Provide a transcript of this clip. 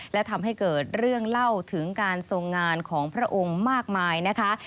และทำให้เกิดเรื่องเล่าถึงการทรงงานของพระองค์มากมายนะคะ